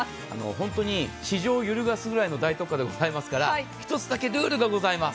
本当に市場を揺るがすぐらいの大特価ですが１つだけルールがございます。